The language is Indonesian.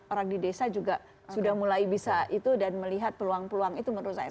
orang di desa juga sudah mulai bisa itu dan melihat peluang peluang itu menurut saya